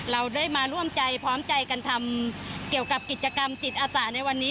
เราได้มาร่วมใจพร้อมใจกันทำเกี่ยวกับกิจกรรมจิตอาสาในวันนี้